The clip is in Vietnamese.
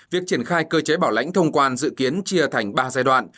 việc triển khai cơ chế bảo lãnh thông quan dự kiến chia thành ba giai đoạn